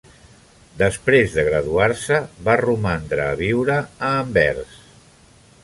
Després de graduar-se, va romandre a viure a Anvers.